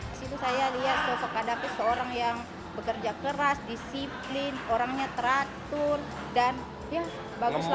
disitu saya lihat sosok sosok seorang yang bekerja keras disiplin orangnya teratur dan ya bagus lah